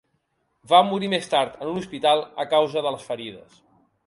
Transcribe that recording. Va morir més tard en un hospital a causa de les ferides.